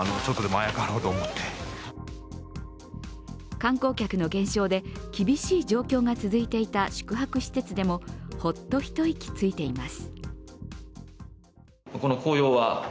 観光客の減少で、厳しい状況が続いていた宿泊施設でもホッと一息ついています。